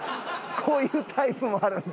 こういうタイプもあるんだ。